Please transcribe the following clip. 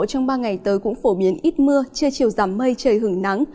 trong ba ngày tới cũng phổ biến ít mưa trưa chiều giảm mây trời hứng nắng